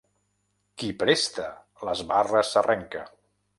Qui presta, les barres s'arrenca.